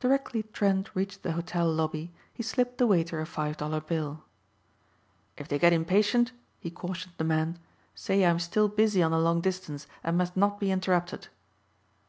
Directly Trent reached the hotel lobby he slipped the waiter a five dollar bill. "If they get impatient," he cautioned the man, "say I'm still busy on the long distance and must not be interrupted."